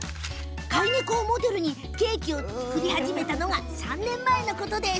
飼い猫をモデルにケーキを作りを始めたのが３年前。